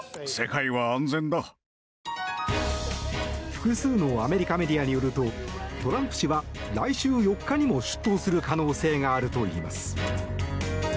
複数のアメリカメディアによるとトランプ氏は来週４日にも出頭する可能性があるといいます。